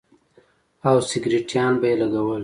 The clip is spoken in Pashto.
او سگرټيان به يې لگول.